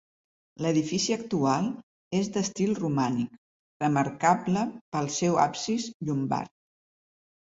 L'edifici actual és d'estil romànic, remarcable pel seu absis llombard.